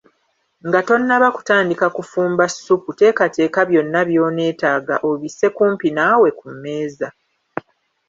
Nga tonnaba kutandika kufumba ssupu teekateeka byonna by'oneetaga obisse kumpi naawe ku mmeza.